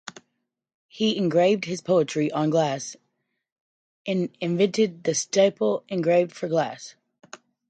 He engraved his poetry on glass and invented the stipple engraving for glass.